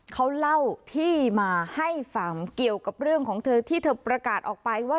เขาเล่าที่มาให้ฟังเกี่ยวกับเรื่องของเธอที่เธอประกาศออกไปว่า